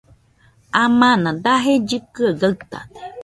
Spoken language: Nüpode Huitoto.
Amana daje llɨkɨaɨ gaɨtade